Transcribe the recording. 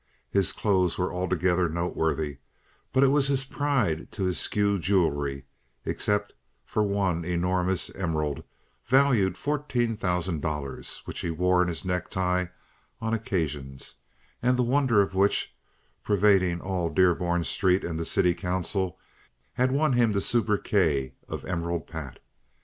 His clothes were altogether noteworthy, but it was his pride to eschew jewelry, except for one enormous emerald, value fourteen thousand dollars, which he wore in his necktie on occasions, and the wonder of which, pervading all Dearborn Street and the city council, had won him the soubriquet of "Emerald Pat."